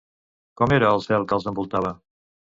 Com era el cel que els envoltava?